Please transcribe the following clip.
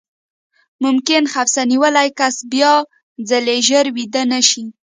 ممکن خپسه نیولی کس بیاځلې ژر ویده نه شي.